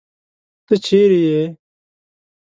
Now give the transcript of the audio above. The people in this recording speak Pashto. تۀ چېرې ئې ؟